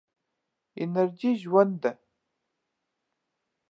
انرژي ژوند ده.